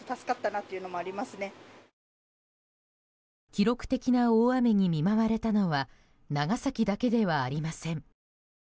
記録的な大雨に見舞われたのは長崎だけではありません。